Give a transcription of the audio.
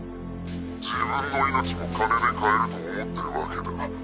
自分の命も金で買えると思ってるわけだな？